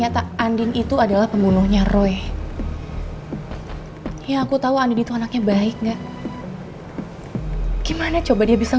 yang pentingnya itu andrin memang jalan